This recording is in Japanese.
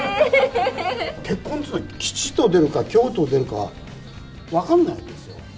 結婚っていうのは、吉と出るか、凶と出るか、分かんないわけですよ。